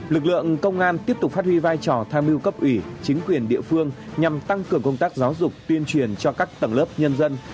lực lượng công an tiếp tục phát huy vai trò tham mưu cấp ủy chính quyền địa phương nhằm tăng cường công tác giáo dục tuyên truyền cho các tầng lớp nhân dân